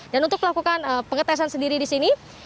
dan untuk melakukan pengetesan sendiri di sini